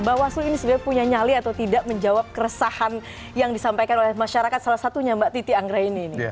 bawaslu ini sebenarnya punya nyali atau tidak menjawab keresahan yang disampaikan oleh masyarakat salah satunya mbak titi anggre ini